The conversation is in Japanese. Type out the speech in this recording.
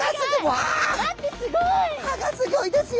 歯がすギョいですよ！